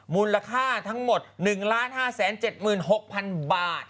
มูลค่าทั้งหมด๑๕๗๖๐๐๐บาท